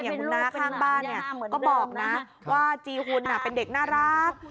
คุณน้าข้างบ้านก็บอกนะว่าจีหุ่นเป็นเด็กน่ารัก